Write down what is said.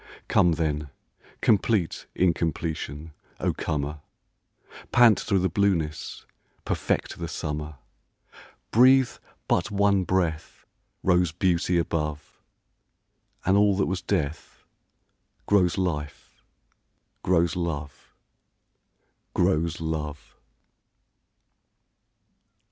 Come then, complete incompletion, O comer, Pant through the blueness, perfect the summer! Breathe but one breath Rose beauty above, And all that was death Grows life, grows love, Grows love!